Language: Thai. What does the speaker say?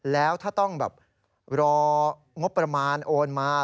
แล้วถ้าต้องแบบรองบประมาณโอนมา